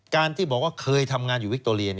ที่บอกว่าเคยทำงานอยู่วิคโตเรีย